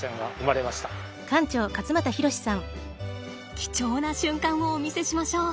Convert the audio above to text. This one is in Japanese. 貴重な瞬間をお見せしましょう。